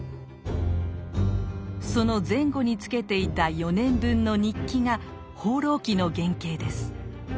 その前後につけていた４年分の日記が「放浪記」の原形です。